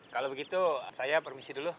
kalau begitu saya permisi dulu